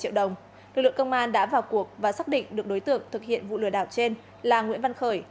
trong hai tháng lực lượng công an đã vào cuộc và xác định được đối tượng thực hiện vụ lừa đạo trên là nguyễn văn khởi